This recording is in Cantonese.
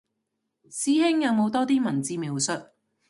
師兄有冇多啲文字描述